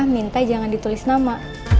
minta jangan ditulis nama